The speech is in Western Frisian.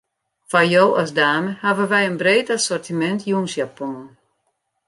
Foar jo as dame hawwe wy in breed assortimint jûnsjaponnen.